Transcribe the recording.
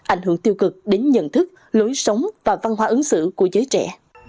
ảnh hưởng tiêu cực đến nhận thức lối sống và văn hóa ứng xử của giới trẻ